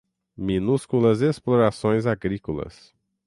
minúsculas explorações agrícolas